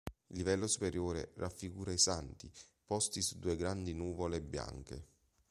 Il livello superiore raffigura i santi posti su due grandi nuvole bianche.